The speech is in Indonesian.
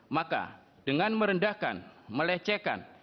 maka dengan merendahkan melecehkan